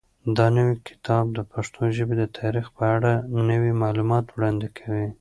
دا نوی کتاب د پښتو ژبې د تاریخ په اړه نوي معلومات وړاندې کوي.